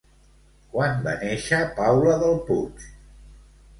Quan va néixer Paula Delpuig?